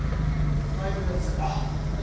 バイトでやってたからね。